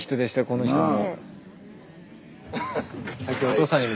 この人も。